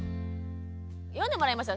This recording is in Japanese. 読んでもらいましょう。